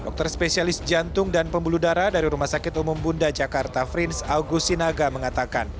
dokter spesialis jantung dan pembuluh darah dari rumah sakit umum bunda jakarta frins augusinaga mengatakan